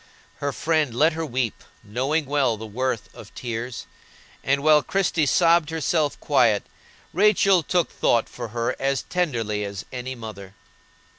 Her friend let her weep, knowing well the worth of tears, and while Christie sobbed herself quiet, Rachel took thought for her as tenderly as any mother.